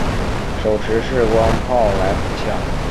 手持式光炮来福枪。